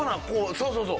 そうそうそう。